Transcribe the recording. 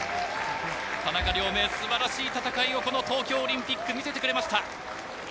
田中亮明、素晴らしい戦いをこの東京オリンピック、見せてくれました。